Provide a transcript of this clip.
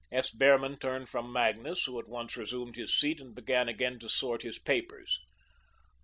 S. Behrman turned from Magnus, who at once resumed his seat and began again to sort his papers.